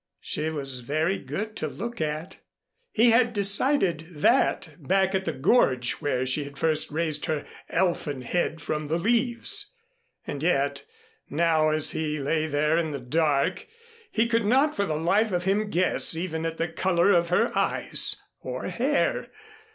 She was very good to look at. He had decided that back in the gorge where she had first raised her elfin head from the leaves. And yet, now as he lay there in the dark, he could not for the life of him guess even at the color of her eyes or hair.